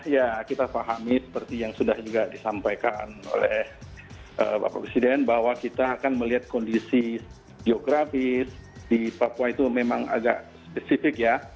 ya kita pahami seperti yang sudah juga disampaikan oleh bapak presiden bahwa kita akan melihat kondisi geografis di papua itu memang agak spesifik ya